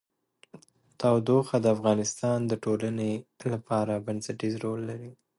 تودوخه د افغانستان د ټولنې لپاره بنسټيز رول لري.